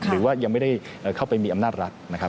หรือว่ายังไม่ได้เข้าไปมีอำนาจรัฐนะครับ